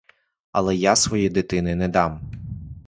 Але я своєї дитини не дам!